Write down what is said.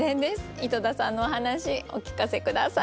井戸田さんのお話お聞かせ下さい。